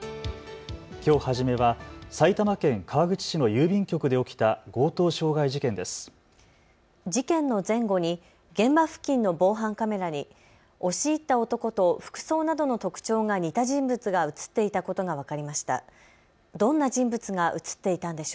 きょう初めは埼玉県川口市の郵便局で起きた強盗傷害事件です。